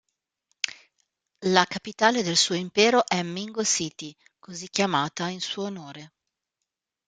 La capitale del suo impero è Mingo City, così chiamata in suo onore.